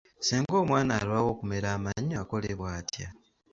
Singa omwana alwawo okumera amannyo akolebwa atya?